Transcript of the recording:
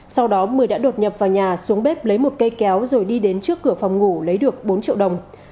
sau đó mười đã đột nhập vào nhà xuống bếp lấy một cây kéo rồi đi đến trước cửa phòng ngủ lấy được bốn triệu đồng